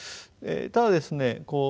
ただですね